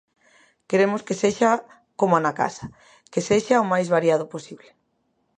Queremos que sexa coma na casa, que sexa o máis variado posible.